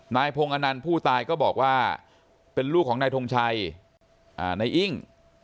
นายพงศ์อนันต์ผู้ตายก็บอกว่าเป็นลูกของนายทงชัยนายอิ้ง